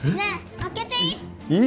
開けていい？